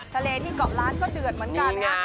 ทะเลที่เกาะล้านก็เดือดเหมือนกันนะฮะ